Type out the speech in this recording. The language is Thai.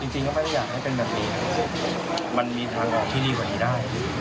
จริงก็ไม่ได้อยากให้เป็นแบบนี้มันมีทางออกที่ดีกว่านี้ได้